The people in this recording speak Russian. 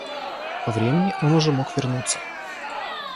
По времени он уже мог вернуться.